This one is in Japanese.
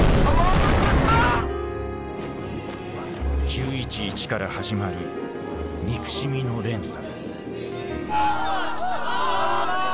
９．１１から始まる憎しみの連鎖。